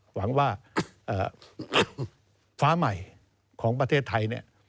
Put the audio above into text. หวังว่าฟ้าใหม่ของประเทศไทยเนี่ย